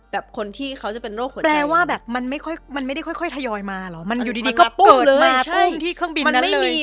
คนที่เขาจะเป็นโรคหัวใจแปลว่าแบบมันไม่ค่อยมันไม่ได้ค่อยทยอยมาเหรอมันอยู่ดีก็เกิดมาปุ้งที่เครื่องบินมันไม่มี